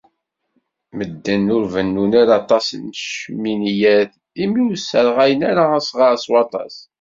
Medden ur bennun ara aṭas n cminiyat imi ur sserɣayen ara asɣar s waṭas.